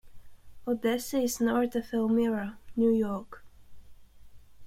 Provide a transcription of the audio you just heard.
Odessa is north of Elmira, New York.